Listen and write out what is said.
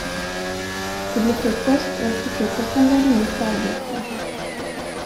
Det blev frukost och efter frukosten blev det nytt arbete.